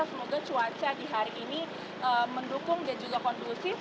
semoga cuaca di hari ini mendukung dan juga kondusif